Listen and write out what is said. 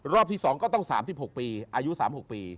รอบที่๒ก็ต้อง๓๖ปีอายุ๓๖ปี